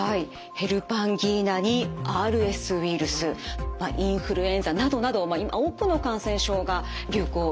ヘルパンギーナにＲＳウイルスインフルエンザなどなど今多くの感染症が流行しております。